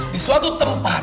di suatu tempat